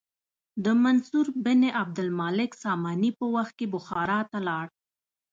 د منصور بن عبدالمالک ساماني په وخت کې بخارا ته لاړ.